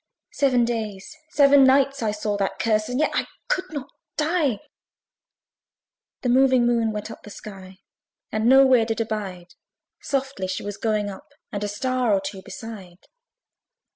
Seven days, seven nights, I saw that curse, And yet I could not die. The moving Moon went up the sky, And no where did abide: Softly she was going up, And a star or two beside.